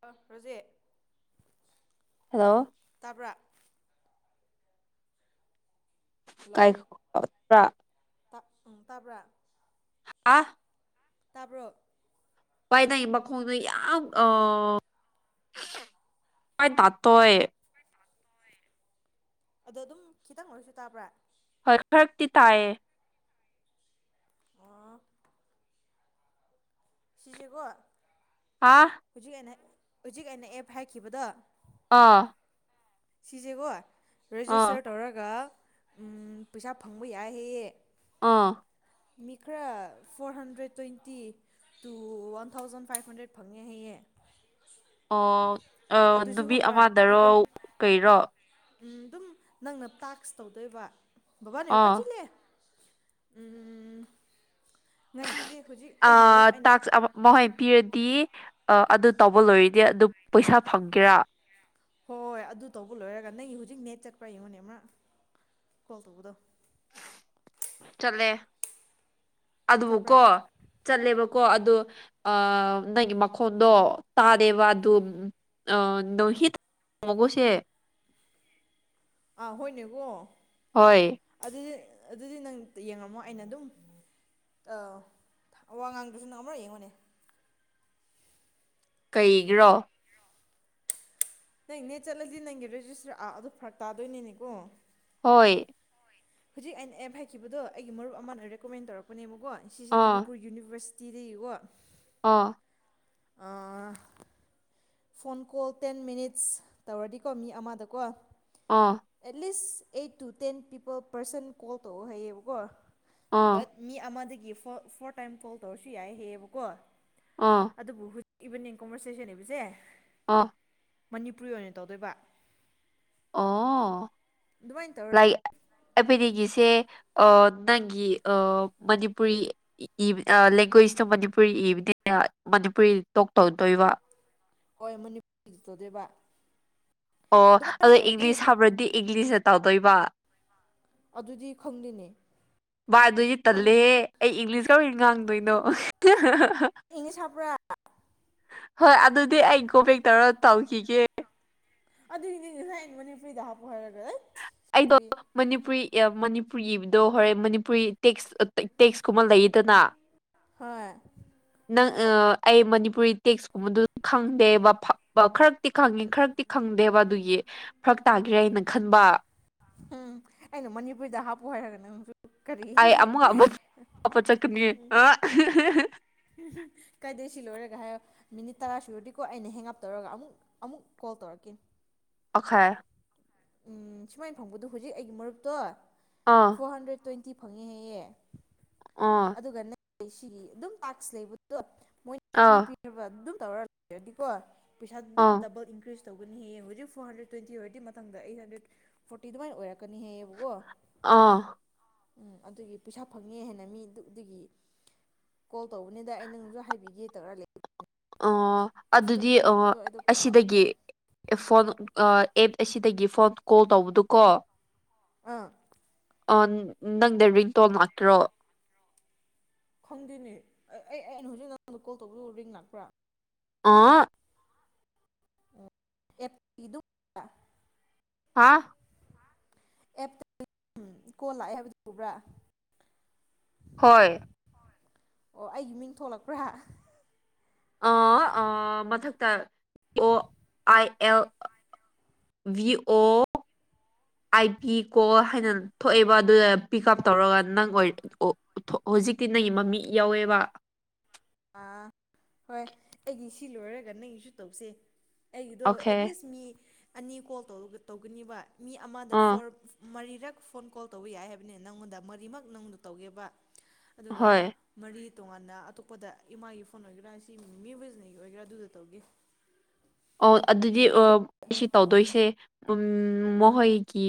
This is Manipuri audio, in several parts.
ꯍꯜꯂꯣ ꯔꯣꯖꯦ ꯍꯂꯣ ꯀꯥꯏ ꯍꯜꯂꯣ ꯈ꯭ꯔꯥ ꯎꯝ ꯇꯥꯕ꯭ꯔꯥ ꯍꯥ ꯇꯥꯕꯔꯣ ꯄꯏ ꯇꯏ ꯃꯈꯣꯡꯗ ꯌꯥꯝ ꯑ ꯈꯏ ꯇꯥꯇꯣꯏ ꯑꯗꯣ ꯑꯗꯨꯝ ꯈꯤꯇꯪ ꯑꯣꯏꯔꯁꯨ ꯇꯥꯕ꯭ꯔꯥ ꯍꯔ ꯈꯔꯗꯤ ꯇꯌꯦ ꯑꯣ ꯁꯤꯁꯦꯀꯣ ꯍꯥ ꯍꯧꯖꯤꯛ ꯍꯧꯖꯤꯛ ꯑꯩꯅ ꯑꯦꯞ ꯍꯥꯏꯈꯤꯕꯗꯣ ꯑꯥ ꯁꯤꯖꯦꯀꯣ ꯑꯥ ꯔꯦꯖꯤꯁꯇꯔ ꯇꯧꯔꯒ ꯎꯝ ꯄꯩꯁꯥ ꯐꯪꯕ ꯌꯥꯏ ꯍꯥꯏꯌꯦ ꯑꯥ ꯃꯤ ꯈꯔ four hundred twenty two one thousand five hundred ꯐꯪꯉꯦ ꯍꯥꯏꯌꯦ ꯑꯣ ꯅꯨꯃꯤꯠ ꯈꯪꯕ꯭ꯔꯥ ꯑꯃꯗꯔꯣ ꯀꯩꯔꯣ ꯎꯝ ꯑꯗꯨꯝ ꯅꯪꯅ ꯇꯥꯛꯁ ꯇꯧꯗꯣꯏꯕ ꯕꯕꯥꯅꯦ ꯑꯥ ꯄꯖꯤꯜꯂꯦ ꯎꯝ ꯑ ꯑꯩꯅ ꯇꯥꯛꯁ ꯃꯣꯏ ꯄꯤꯔꯗꯤ ꯑ ꯑꯗꯨ ꯇꯧꯕ ꯂꯣꯏꯔꯗꯤ ꯑꯗꯨꯝ ꯄꯩꯁꯥ ꯐꯪꯒꯦꯔꯥ ꯍꯣꯏ ꯍꯣꯏ ꯑꯗꯨ ꯇꯧꯕ ꯂꯣꯏꯔꯒ ꯅꯪꯒꯤ ꯍꯧꯖꯤꯛ ꯅꯦꯠ ꯆꯠꯄ꯭ꯔ ꯑꯩꯉꯣꯟꯅꯦ ꯑꯃ ꯀꯣꯜ ꯇꯧꯕꯗꯣ ꯆꯠꯂꯦ ꯑꯗꯨꯕꯨꯀꯣ ꯆꯠꯄ꯭ꯔꯥ ꯆꯠꯂꯦꯕ ꯀꯣ ꯑꯗꯨ ꯅꯪꯒꯤ ꯃꯈꯣꯟꯗꯣ ꯇꯥꯗꯦꯕ ꯑꯗꯨ ꯅꯣꯡꯍꯤꯠꯃꯣꯒꯣꯁꯦ ꯑꯥ ꯍꯣꯏꯅꯦꯀꯣ ꯍꯣꯏ ꯑꯗꯨꯗꯤ ꯑꯗꯨꯗꯤ ꯅꯪ ꯌꯦꯡꯉꯝꯃꯣ ꯑꯩꯅ ꯑꯗꯨꯝ ꯋꯥ ꯉꯥꯡꯗ꯭ꯔꯁꯨ ꯅꯪ ꯑꯃꯔꯛ ꯌꯦꯡꯉꯣꯅꯦ ꯀꯩꯒꯤꯔꯣ ꯅꯪ ꯅꯦꯠ ꯆꯠꯂꯗꯤ ꯅꯪꯒꯤ ꯔꯦꯖꯤꯁꯇꯔ ꯑꯗꯨ ꯐꯔꯛ ꯇꯥꯗꯣꯏꯅꯤꯅꯦꯀꯣ ꯍꯣꯏ ꯍꯧꯖꯤꯛ ꯑꯩꯅ ꯑꯦꯞ ꯍꯥꯏꯈꯤꯕꯗꯣ ꯑꯩꯒꯤ ꯃꯔꯨꯞ ꯑꯃꯅ ꯔꯦꯀꯃꯦꯟ ꯇꯧꯔꯛꯄꯅꯦ ꯀꯣ ꯁꯤꯁꯦ ꯑꯥ ꯃꯅꯤꯄꯨꯔ ꯌꯨꯅꯤꯕꯔꯁ ꯇꯤ ꯗꯒꯤ ꯀꯣ ꯑꯥ ꯑ ꯐꯣꯟ ꯀꯣꯜ ꯇꯦꯟ ꯃꯤꯅꯤꯠꯁ ꯇꯧꯔꯗꯤꯀꯣ ꯃꯤ ꯑꯃꯗꯀꯣ ꯑꯥ at least eight to ten people person call ꯇꯧꯋꯣ ꯍꯥꯏꯌꯦꯕꯀꯣ ꯑꯥ ꯕꯠ ꯃꯤ ꯑꯃꯗꯒꯤ ꯐꯣꯔ ꯇꯥꯏꯝ ꯀꯣꯜ ꯇꯧꯔꯁꯨ ꯌꯥꯏ ꯍꯌꯦꯕꯀꯣ ꯑꯥ ꯑꯗꯨꯕꯨ ꯏꯕꯅꯤ ꯀꯣꯕꯔꯁꯦꯁꯟ ꯏꯕꯁꯦ ꯑꯥ ꯃꯅꯤꯄꯨꯔꯤ ꯑꯣꯏꯅ ꯇꯧꯗꯣꯏꯕ ꯑꯣ ꯑꯗꯨꯃꯥꯏ ꯇꯧꯔ ꯑꯩꯕꯣꯏꯅꯤꯒꯤꯁꯦ ꯅꯪꯒꯤ ꯃꯅꯤꯄꯨꯔꯤ ꯂꯦꯡꯒ꯭ꯋꯦꯁꯇꯣ ꯃꯅꯤꯄꯨꯔꯤ ꯏꯕꯅꯤꯅ ꯃꯅꯤꯄꯨꯔꯤ ꯇꯣꯛ ꯇꯧꯗꯣꯏꯕ ꯍꯣꯏ ꯃꯅꯤꯄꯨꯔꯤ ꯇꯧꯗꯣꯏꯕ ꯑꯣ ꯑꯗꯨꯃꯥꯏꯅ ꯑꯗꯣ ꯇꯧꯔꯗꯤ ꯏꯪꯂꯤꯁ ꯍꯞꯕ꯭ꯔꯗꯤ ꯏꯪꯂꯤꯁ ꯑꯣꯏꯅ ꯇꯧꯗꯣꯏꯕ ꯑꯗꯨꯗꯤ ꯈꯪꯗꯦꯅꯦ [unintelligible] ꯑꯗꯨꯗꯤ ꯇꯜꯂꯦ ꯍꯦ ꯃꯅꯤꯄꯨꯔꯤ ꯑꯩ ꯏꯪꯂꯤꯁ [unintelligible] ꯉꯥꯡꯗꯣꯏꯅꯣ ꯏꯪꯂꯤꯁ ꯖꯄꯔꯥ ꯍꯣꯏ ꯑꯗꯨꯗꯤ ꯑꯩ ꯒꯣ ꯕꯦꯛ ꯇꯧꯔ ꯇꯧꯈꯤꯒꯦ ꯑꯗꯨ ꯉꯑꯁꯥꯏ ꯃꯅꯤꯄꯨꯔꯤꯗ ꯍꯄꯨ ꯍꯥꯏꯔꯒ ꯑꯩꯠ ꯑꯩꯗꯣ ꯅꯨꯄꯤ ꯃꯅꯤꯄꯨꯔꯤ ꯃꯅꯤꯄꯨꯔꯤ ꯏꯕꯗꯣ ꯍꯣꯔꯦ ꯃꯅꯤꯄꯨꯔꯤ ꯇꯦꯛꯁ ꯇꯦꯛꯁꯀꯨꯝꯕ ꯂꯩꯌꯦꯗꯅ ꯍꯣꯏ ꯅꯪ ꯑꯩ ꯃꯅꯤꯄꯨꯔꯤ ꯇꯦꯛꯁꯀꯨꯝꯕꯗꯨ ꯈꯪꯗꯦꯕ ꯐꯕ ꯈꯔꯛꯇꯤ ꯈꯪꯉꯤ ꯈꯔꯛꯇꯤ ꯈꯪꯗꯦꯕ ꯑꯗꯨꯒꯤ ꯐꯔꯛ ꯇꯥꯈꯤꯔꯦ ꯍꯥꯏꯅ ꯈꯟꯕ ꯎꯝ ꯑꯩꯅ ꯃꯅꯤꯄꯨꯔꯤꯗ ꯍꯥꯞꯄꯨ ꯍꯥꯏꯔꯒ ꯀꯔꯤ ꯑꯩ ꯑꯃꯨꯛ ꯑꯃꯨꯛ ꯍꯄꯥ ꯆꯠꯀꯅꯤ ꯀꯥꯏꯗꯦ ꯁꯤ ꯂꯣꯏꯔꯒ ꯍꯥꯏꯌꯣ ꯃꯤꯅꯤꯠ ꯇꯔꯥ ꯁꯨꯔꯗꯤꯀꯣ ꯑꯩꯅ ꯍꯦꯡꯉꯞ ꯇꯧꯔꯒ ꯑꯃꯨꯛ ꯑꯃꯨꯛ ꯀꯣꯜ ꯇꯧꯔꯛꯀꯦ ꯑꯣꯈꯔ ꯎꯝ ꯁꯨꯃꯥꯏꯅ ꯐꯪꯕꯗꯣ ꯍꯧꯖꯤꯛ ꯑꯩꯒꯤ ꯃꯔꯨꯞꯇꯣ ꯑꯥ ꯐꯣꯔ ꯍꯟꯗ꯭ꯔꯦꯠ ꯇ꯭ꯋꯦꯟꯇꯤ ꯐꯉ ꯍꯌꯦ ꯑꯥ ꯑꯗꯨꯒꯅꯦ ꯑꯩ ꯁꯤꯒꯤ ꯑꯗꯨꯝ [unintelligible] ꯂꯩꯕꯗꯨ ꯑꯥ ꯇꯧꯔꯗꯤꯀꯣ ꯄꯩꯁꯥꯗꯤ ꯑꯗꯨꯝ ꯑꯥ ꯗꯕꯜ ꯏꯟꯀ꯭ꯔꯤꯖ ꯇꯧꯒꯅꯤ ꯌꯦ ꯍꯧꯖꯤꯛ ꯐꯣꯔ ꯍꯟꯗ꯭ꯔꯦꯗ ꯇ꯭ꯋꯦꯟꯇꯤ ꯑꯣꯏꯔꯗꯤꯊꯗ ꯑꯩꯠ ꯍꯗ꯭ꯔꯦꯗ ꯐꯣꯔꯇꯤ ꯑꯗꯨꯃꯥꯏꯅ ꯑꯣꯏꯔꯛꯀꯅꯤ ꯍꯌꯦꯑꯕꯀꯣ ꯑꯥ ꯎꯝ ꯑꯗꯨꯒꯤ ꯄꯩꯁꯥ ꯐꯪꯉ ꯍꯥꯏꯦꯅ ꯃꯤ ꯑꯗꯨ ꯑꯗꯨꯒꯤ ꯀꯣꯜ ꯇꯧꯕꯅꯤꯗ ꯑꯩ ꯅꯪꯁꯨ ꯍꯥꯏꯕꯤꯒꯦ ꯇꯧꯔ ꯑꯣ ꯑꯗꯨꯗꯤ ꯑꯥꯐꯇꯔꯅꯨꯟꯒꯨꯝꯕꯗꯣ ꯑꯩꯗꯣ ꯑꯩ ꯀꯥꯎꯈ꯭ꯔꯕ ꯁꯤꯗꯒꯤ ꯐꯣꯟ ꯑꯦꯞ ꯑꯁꯤꯗꯒꯤ ꯐꯣꯟ ꯀꯣꯜ ꯇꯧꯕꯗꯨ ꯀꯣ ꯑꯥ ꯑ ꯅꯪꯗ ꯔꯤꯡꯇꯣꯜ ꯂꯥꯛꯇ꯭ꯔꯣ ꯈꯪꯗꯦꯅꯦ ꯑꯩ ꯑꯩꯅ ꯍꯧꯖꯤꯛ ꯅꯉꯣꯟꯗ ꯀꯣꯜ ꯇꯧ ꯔꯤꯡ ꯂꯥꯛꯄ꯭ꯔꯥ ꯑꯥ ꯗꯨ ꯍꯥꯥ ꯑꯦꯞꯇ ꯀꯣꯜ ꯂꯥꯛꯑꯦ ꯍꯥꯏꯕꯗꯨ ꯎꯕ꯭ꯔꯥ ꯍꯣꯏ꯫ ꯑꯣ ꯑꯩꯒꯤ ꯃꯤꯡ ꯊꯣꯛꯂꯛꯄ꯭ꯔꯥ ꯑ ꯑ ꯃꯊꯛꯇ ꯑꯣ ꯑꯥꯏ L V O I P ꯀꯣ ꯍꯥꯏꯅ ꯊꯣꯛꯑꯦꯕ ꯑꯗꯨꯗ ꯄꯤꯛ ꯎꯞ ꯇꯧꯔꯒ ꯅꯪ ꯑꯣꯏ ꯑꯣ ꯍꯧꯖꯤꯛꯇꯤ ꯅꯪꯒꯤ ꯃꯃꯤꯡ ꯌꯥꯋꯦꯕ ꯑꯥ ꯍꯣꯏ ꯑꯩꯒꯤ ꯁꯤ ꯂꯣꯏꯔꯒ ꯅꯪꯒꯤꯁꯨ ꯇꯧꯁꯦ ꯑꯩꯒꯤꯗꯣ ꯑꯣꯀꯦ ꯑꯦꯠꯂꯤꯁ ꯃꯤ ꯑꯅꯤ ꯀꯣꯜ ꯇꯧꯔꯒ ꯇꯧꯒꯅꯤꯕ ꯃꯤ ꯑꯃꯗ ꯑꯥ ꯐꯣꯔ ꯃꯔꯤ ꯔꯛ ꯐꯣꯟ ꯀꯣꯟ ꯇꯧꯕ ꯌꯥꯏ ꯍꯥꯏꯕꯅꯦ ꯅꯪꯉꯣꯟꯗ ꯃꯔꯤꯃꯛ ꯅꯉꯣꯟꯗ ꯇꯧꯒꯦꯕ ꯑꯗꯨꯒ ꯍꯣꯏ ꯃꯔꯤ ꯇꯣꯉꯥꯟꯅ ꯑꯇꯣꯞ ꯄꯗ ꯏꯃꯥꯒꯤ ꯐꯣꯟ ꯑꯣꯏꯒꯦꯔꯥ ꯁꯤ ꯃꯤꯋꯤꯁꯅꯤꯒꯤ ꯑꯣꯏꯒꯦꯔꯥ ꯑꯗꯨꯗ ꯇꯧꯒꯦ ꯑꯣ ꯑꯗꯨꯗꯤ ꯑꯗꯨ ꯑꯣ ꯑꯁꯤ ꯇꯧꯗꯣꯏꯁꯦ ꯎꯝ ꯃꯍꯣꯏꯒꯤ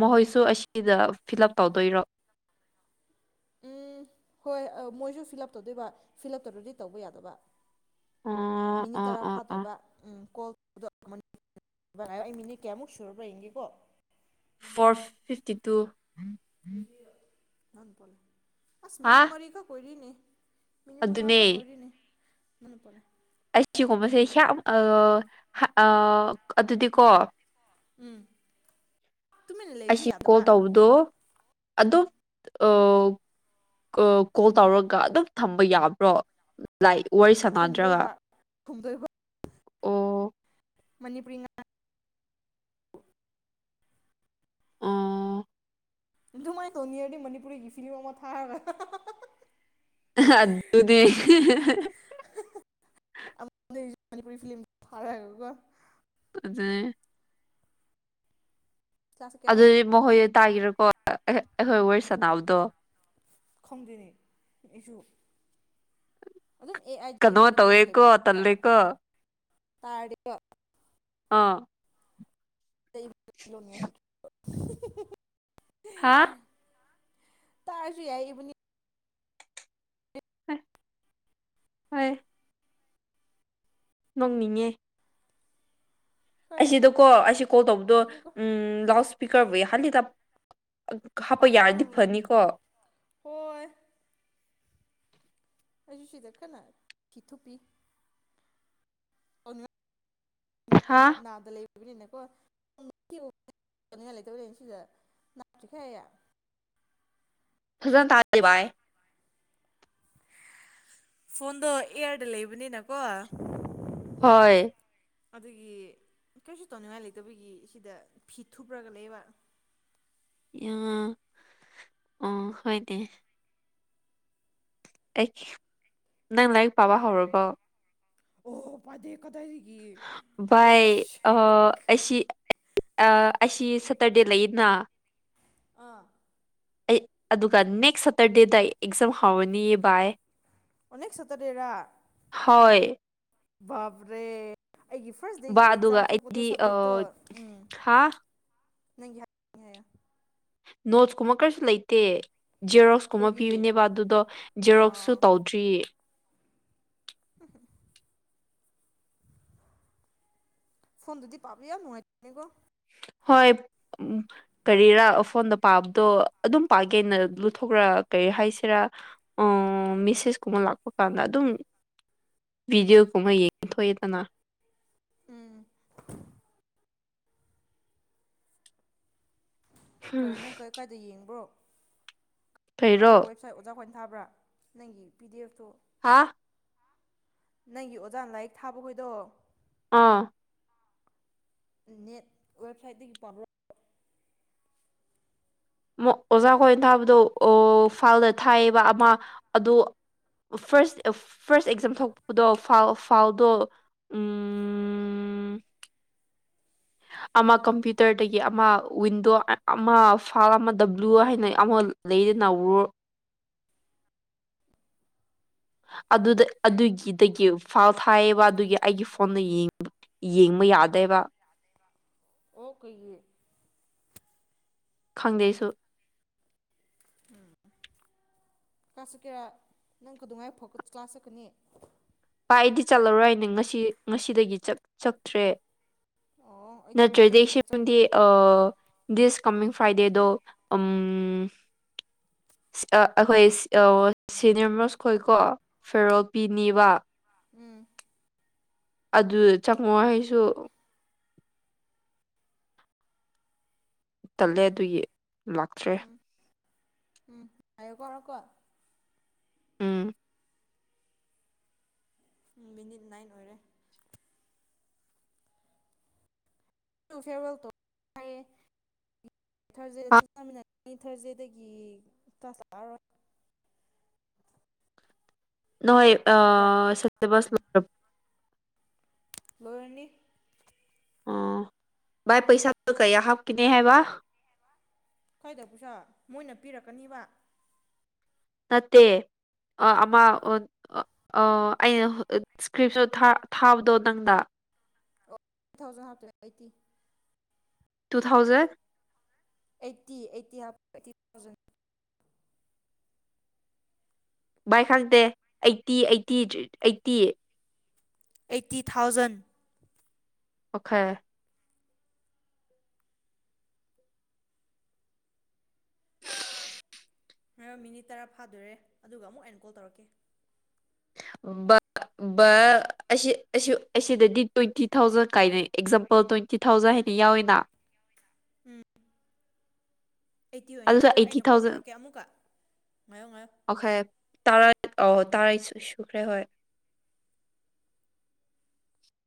ꯃꯍꯣꯏꯁꯨ ꯑꯁꯤꯗ ꯐꯤꯜ ꯎꯞ ꯇꯧꯗꯣꯏꯔꯣ ꯎꯝ ꯍꯣꯏ ꯃꯣꯏꯁꯨ ꯐꯤꯜ ꯎꯞ ꯇꯧꯗꯣꯏꯕ ꯐꯤꯜ ꯑꯞ ꯇꯧꯗ꯭ꯔꯗꯤ ꯇꯧꯕ ꯌꯥꯗꯕ ꯑꯣ ꯃꯤꯅꯤꯠ ꯑꯣ ꯇꯔꯥ ꯑꯣ ꯑꯣ ꯐꯥꯗꯣꯏꯕ ꯎꯝ ꯀꯣꯜ [inaudible] ꯉꯥꯏꯌꯣ ꯑꯩ ꯃꯤꯅꯤꯠ ꯀꯌꯥꯃꯨꯛ ꯁꯨꯔꯕ꯭ꯔꯥ ꯌꯦꯡꯒꯦꯀꯣ ꯐꯣꯔ ꯐꯤꯞꯇꯤ ꯇꯨ [inaudible] [unintelligible] ꯑꯁ ꯃꯤꯅꯤꯠ ꯍꯥ ꯃꯔꯤꯈꯛ ꯑꯣꯏꯔꯤꯅꯦ ꯃꯤꯅꯤꯠ ꯃꯉꯥꯈꯛ ꯑꯣꯏꯔꯤꯅꯦ [unintelligible] ꯑꯁꯤꯒꯨꯝꯕꯁꯦ ꯍꯌꯥꯝ ꯑ-ꯑ ꯑꯗꯨꯗꯤꯀꯣ ꯎꯝ꯫ ꯇꯨꯃꯤꯟꯅ ꯂꯩꯔꯁꯨ ꯑꯁꯤ ꯀꯣꯜ ꯌꯥꯗꯕ ꯇꯧꯕꯗꯣ ꯑꯗꯨ ꯎꯝ ꯑ ꯀ ꯀꯣꯜ ꯇꯧꯔꯒ ꯑꯗꯨꯝ ꯊꯝꯕ ꯌꯥꯕ꯭ꯔꯣ [unintelligible] ꯋꯥꯔꯤ ꯁꯥꯟꯅꯗ꯭ꯔꯒ ꯈꯨꯝꯗꯣꯏꯕ ꯈꯨꯝꯗꯣꯏꯕ ꯑꯣ ꯃꯅꯤꯄꯨꯔꯤ ꯉꯥꯡ [inaudible] ꯑꯣ ꯑꯗꯨꯃꯥꯥꯏ ꯇꯧꯅꯤꯔꯗꯤ ꯃꯅꯤꯄꯨꯔꯤꯒꯤ ꯐꯤꯔꯝ ꯑꯃ ꯊꯥꯔꯒ ꯍ-ꯍꯥ-ꯍꯥ-ꯍꯥ-ꯍ ꯑꯥ ꯑꯗꯨꯗꯤ ꯍꯤꯍꯤ ꯍ ꯍ ꯑꯃꯗꯩꯁꯨ ꯃꯅꯤꯄꯨꯔꯤ ꯐ꯭ꯂꯤꯝ ꯊꯥꯔꯒ ꯀꯣ ꯑꯗꯨꯅꯦ ꯀ꯭ꯂꯥꯁ ꯀꯌꯥ ꯍꯌꯦꯡ ꯑꯗꯨꯗꯤ ꯃꯣꯍꯣꯢ ꯇꯥꯒꯤꯔꯣꯏꯀꯣ ꯑꯈꯣꯏ ꯋꯥꯔꯤ ꯁꯅꯥꯕꯗꯣ ꯈꯪꯗꯦꯅꯦ ꯑꯩꯁꯨ꯫ ꯑꯗꯨꯝ ꯑꯦ ꯑꯥꯏ ꯀꯟꯅꯣ ꯇꯧꯋꯦꯀꯣ ꯇꯜꯂꯦꯀꯣ꯫ ꯇꯥꯔꯦ [inaudible] ꯑꯥ [unintelligible] ꯍꯥ꯫ ꯇꯥꯔꯁꯨ ꯌꯥꯏ ꯑꯩꯕꯨꯅꯤ ꯍꯣꯏꯌꯦ꯫ ꯅꯣꯛꯅꯤꯡꯉꯦ꯫ ꯑꯩꯁꯤꯗꯨꯀꯣ ꯑꯩꯁꯤ ꯀꯣꯜ ꯇꯧꯕꯗꯣ ꯎꯝ ꯂꯥꯎꯁ ꯄꯤꯀꯔꯞ ꯋꯦ ꯍꯥꯟꯗꯤ ꯗꯥꯞ ꯍꯥꯞꯄ ꯌꯥꯔꯗꯤ ꯐꯅꯤꯀꯣ꯫ ꯍꯣꯏ ꯑꯩꯁꯨ ꯁꯤꯗ ꯀꯟꯅ ꯐꯤ ꯊꯨꯞꯄꯤ꯫ [unintelligible] ꯍꯥ ꯅꯥꯀꯣꯡ ꯅꯥꯗ ꯂꯩ꯫ ꯑꯩꯅꯀꯣ [unintelligible] ꯆꯤꯡꯈꯩ ꯐꯥꯖꯅ ꯇꯥꯗꯦ ꯕꯥꯏ꯫ ꯐꯣꯟꯗꯣ ꯏꯌꯥꯔꯗ ꯂꯩꯕꯅꯤꯅꯀꯣ꯫ ꯍꯣꯏ꯫ ꯑꯗꯨꯒꯤ ꯀꯩꯁꯨ ꯇꯧꯅꯤꯡꯉꯥꯏ ꯂꯩꯇꯕꯒꯤ ꯁꯤꯗ ꯐꯤ ꯊꯨꯞꯔꯥꯒ ꯂꯩꯕ꯫ ꯏꯌꯥ ꯑꯣ ꯍꯣꯏꯗꯦ꯫ ꯑꯦꯒꯤ ꯅꯪ ꯂꯥꯏꯔꯤꯛ ꯄꯥꯕ ꯍꯧꯔꯕꯣ꯫ ꯑꯣ ꯄꯥꯗꯦ ꯀꯗꯥꯏꯗꯒꯤ ꯕꯥꯏ ꯑꯁ ꯑꯥ ꯑꯩꯁꯤ ꯑ ꯑꯩꯁꯤ ꯁꯇꯔꯗꯦ ꯂꯩꯌꯦꯅ꯫ ꯑ ꯑꯩ ꯑꯗꯨꯒ ꯅꯦꯛꯁ ꯁꯇꯔꯗꯦꯗ ꯑꯩ ꯑꯦꯛꯖꯥꯝ ꯍꯥꯎꯔꯅꯤꯌꯦ ꯕꯥꯏ꯫ ꯑꯣ ꯅꯦꯛꯁ ꯁꯇꯔꯗꯦꯔ꯫ ꯍꯣꯏ ꯕꯄꯔꯦ꯫ ꯑꯩꯒꯤ ꯐꯥꯔꯁ ꯗꯦꯒꯤ ꯕꯥ ꯑꯦꯛꯖꯥꯝ ꯑꯗꯨꯒ ꯊꯣꯛꯄꯗꯣ ꯑꯩꯗꯤ ꯁꯕꯖꯦꯛꯇꯣ ꯎꯝ ꯍꯥ ꯅꯪꯒꯤ [unintelligible] ꯅꯣꯠꯁ ꯀꯨꯝꯕ ꯀꯔꯤꯁꯨ ꯂꯩꯇꯦ꯫ ꯖꯦꯔꯣꯛꯁ ꯀꯨꯝꯕ ꯑꯩꯈꯣꯏꯒꯤ ꯄꯤꯕꯅꯦꯕ ꯑꯗꯨꯗꯣ ꯖꯦꯔꯣꯛꯁꯁꯨ ꯇꯧꯗ꯭ꯔꯤ꯫ ꯐꯣꯟꯗꯨꯗꯤ ꯄꯥꯕ ꯌꯥꯝ ꯅꯨꯡꯉꯥꯏꯇꯦꯀꯣ꯫ ꯍꯣꯏ ꯑꯥ ꯎꯝ ꯀꯔꯤꯔꯥ ꯐꯣꯟꯗ ꯄꯥꯕꯗꯣ ꯑꯗꯨꯝ ꯄꯥꯒꯦꯅ ꯂꯨꯊꯣꯛꯔꯥ ꯀꯔꯤ ꯍꯥꯏꯁꯤꯔꯥ ꯃꯤꯁꯦꯁ ꯀꯨꯝꯕ ꯂꯥꯛꯄ ꯀꯥꯟꯗ ꯑꯗꯨꯝ ꯚꯤꯗꯤꯑꯣꯒꯨꯝꯕ ꯌꯦꯡꯊꯣꯛꯑꯦꯗꯅ꯫ ꯎꯝ꯫ ꯀꯔꯤ ꯅꯪ ꯀ ꯀꯥꯏꯗ ꯌꯦꯡꯕ꯭ꯔꯣ꯫ ꯌꯥꯕꯔꯣ ꯀꯔꯤꯔꯣ ꯋꯦꯞꯁꯥꯏꯠ ꯑꯣꯖꯍꯣꯏ ꯊꯥꯕ꯭ꯔꯥ ꯅꯪꯒꯤ ꯄꯤ ꯗꯤ ꯑꯦꯞ ꯇꯣ꯫ ꯍꯥꯥ꯫ ꯅꯪꯒꯤ ꯑꯣꯖꯥꯅ ꯂꯥꯏꯔꯤꯛ ꯊꯥꯕ ꯍꯣꯏꯗꯣ꯫ ꯑꯥ꯫ ꯅꯦꯠ ꯋꯥꯏꯐꯥꯏꯗꯒꯤ ꯄꯥꯕꯔꯣ ꯑꯃꯨꯛ ꯑꯣꯖꯥ ꯈꯣꯏꯅ ꯊꯥꯕꯗꯣ ꯑꯣ ꯐꯥꯎꯜꯗ ꯊꯥꯏꯌꯦꯕ ꯑꯃ ꯑꯗꯨ ꯐꯥꯔꯁ ꯐꯥꯔꯁ ꯑꯦꯛꯖꯥꯝ ꯊꯣꯛꯄꯗꯣ ꯐꯥꯎꯜ ꯐꯥꯎꯜꯗꯣ ꯎꯝ ꯑꯃ ꯀꯝꯄ꯭ꯌꯨꯇꯔꯗꯒꯤ ꯑꯃ ꯋꯤꯟꯗꯣ ꯑꯃ ꯐꯥꯏꯜ ꯑꯃ ꯗꯕ꯭ꯂꯨ ꯍꯥꯏꯅ ꯑꯃ ꯂꯩꯗꯅ ꯋꯦ ꯑꯗꯨ ꯑꯗꯨꯒꯤꯗꯒꯤ ꯐꯥꯎꯜ ꯊꯥꯏꯑꯕ ꯑꯗꯨꯒꯤ ꯑꯩꯒꯤ ꯐꯣꯟꯗ ꯌꯦꯡ ꯌꯦꯡꯕ ꯌꯥꯗꯦꯕ꯫ ꯑꯣ ꯀꯩꯒꯤ ꯈꯪꯗꯦ ꯑꯩꯁꯨ ꯀꯥ ꯆꯠꯀꯦꯔꯥ ꯅꯪ ꯀꯗꯉꯥꯏꯐꯥꯎ ꯀ꯭ꯂꯥꯁ ꯆꯠꯀꯅꯤ꯫ ꯚꯥꯏ ꯑꯩꯗꯤ ꯆꯠꯂꯔꯣꯏ ꯍꯥꯏꯅꯦ ꯉꯁꯤ ꯉꯁꯤꯗꯒꯤ ꯆꯠ ꯆꯠꯇ꯭ꯔꯦ꯫ ꯑꯣ ꯑꯩꯗꯤ ꯅꯠꯇ꯭ꯔꯗꯤ ꯊꯥꯔꯁꯗꯦ ꯐꯥꯎ ꯆꯠꯀꯅꯤ ꯁꯤꯗꯤ ꯑꯥ ꯗꯤꯁ ꯀꯃꯤꯡ ꯐ꯭ꯔꯥꯏꯗꯦꯗꯣ ꯎꯝ ꯑꯥ ꯑꯩꯈꯣꯏ ꯑꯣ ꯁꯤꯅꯤꯌꯔ ꯃ꯭ꯔꯣꯁ ꯈꯣꯏꯀꯣ ꯐꯦꯌ꯭ꯋꯦꯜ ꯄꯤꯅꯤꯕ꯫ ꯎꯝ ꯑꯗꯨ ꯑꯣ ꯆꯪꯉꯣ ꯍꯥꯏꯁꯨ ꯇꯜꯂꯦ ꯑꯗꯨꯒꯤ ꯂꯥꯛꯇ꯭ꯔꯦ ꯎꯝ ꯎꯝ ꯉꯥꯏꯌꯨꯀꯣ [unintelligible] ꯎꯝ ꯃꯤꯅꯤꯠ ꯅꯥꯏꯟ ꯑꯣꯏꯔꯦ꯫ ꯐꯦꯔꯋꯦꯜꯇꯣ ꯍꯥꯏꯌꯦ꯫ [unintelligible] ꯑꯩ ꯊ꯭ꯔꯖꯗꯦꯗꯒꯤ ꯀ꯭ꯂꯥꯁ ꯂꯥꯛꯑꯔꯣꯏ꯫ ꯅꯣꯏ ꯇꯥꯕ꯭ꯔꯥ ꯑꯥ ꯁꯤꯂꯦꯕꯁ ꯎꯝ ꯂꯣꯏ ꯂꯣꯏꯔꯅꯤ ꯑꯣ ꯚꯥꯏ ꯄꯩꯁꯥ ꯀꯩ ꯍꯕ ꯀꯅꯦ ꯍꯥꯏꯕ ꯈꯣꯏꯗꯄꯁꯨ ꯃꯣꯏꯅ ꯄꯤꯔꯛꯀꯅꯤꯕ ꯅꯠꯇꯦ ꯑꯃ ꯑꯩꯅ ꯏꯁꯀ꯭ꯔꯤꯞꯁꯨ ꯊꯥꯕꯗꯣ ꯅꯪꯗ ꯇꯨ ꯊꯥꯎꯖꯟ ꯍꯥꯞꯄꯤꯔꯦ eighty two thousand eighty eighty eighty thousand ꯚꯥꯏ ꯈꯪꯗꯦ eighty eighty eighty eighty thousand okay [unintelligible] minute ꯇꯔꯥ ꯐꯥꯗꯣꯔꯦ ꯑꯗꯨꯒ ꯑꯃꯨꯛ ꯑꯩꯅ ꯀꯣꯜ ꯇꯧꯔꯛꯀꯦ ꯑꯁꯤ ꯑꯁꯤꯗꯗꯤ ꯇ꯭ꯋꯦꯟꯇꯤ ꯊꯥꯎꯖꯟ ꯀꯥꯏꯅꯩ ꯑꯦꯛꯖꯥꯝꯄꯜ ꯇ꯭ꯋꯦꯟꯇꯤ ꯊꯥꯎꯖꯟ ꯍꯥꯏꯅ ꯌꯥꯎꯏꯤꯅ ꯎꯝ ꯑꯩꯠꯇꯤ ꯑꯣꯏꯅ ꯑꯗꯨꯁꯨ ꯍꯥꯞꯄꯣ ꯑꯩꯠꯇꯤ ꯑꯩꯅ ꯀꯣꯜ ꯊꯥꯎꯖꯟ ꯇꯧꯔꯛꯀꯦ ꯑꯃꯨꯛꯀ ꯉꯥꯏꯌꯣ ꯉꯥꯏꯌꯣ ꯑꯣꯈꯦ ꯇꯔꯥ ꯑ ꯇꯥꯔ ꯁꯨꯈ꯭ꯔꯦ ꯍꯣꯏ